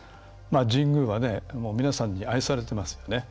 神宮は皆さんに愛されてますよね。